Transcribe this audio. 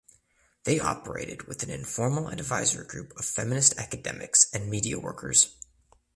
They operated with an informal advisory group of feminist academics and media workers.